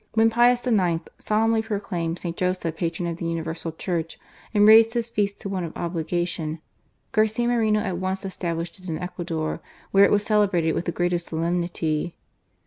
When Pius IX. solemnly proclaimed St. Joseph Patron of the Universal Church, and raised his feast to one of obligation, Garcia Moreno at once established it in Ecuador, where it was celebrated with the greatest solemnity.